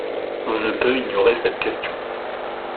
On ne peut ignorer cette question.